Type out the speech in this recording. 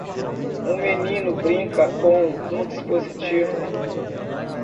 Um menino brinca com um dispositivo.